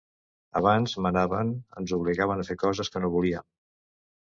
Abans manaven, ens obligaven a fer coses que no volíem.